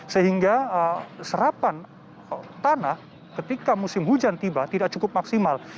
sehingga serapan tanah ketika musim hujan tiba tidak cukup maksimal